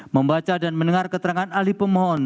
membaca dan mendengar keterangan ahli pemohon